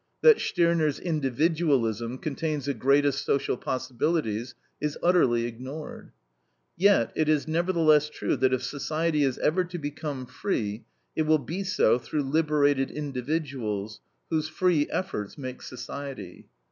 That Stirner's individualism contains the greatest social possibilities is utterly ignored. Yet, it is nevertheless true that if society is ever to become free, it will be so through liberated individuals, whose free efforts make society.